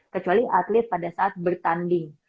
kecuali atlet pada saat bertanding